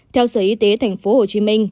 theo sở y tế tp hcm